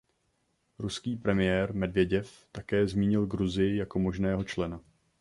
Ruský premiér Medveděv také zmínil Gruzii jako možného člena.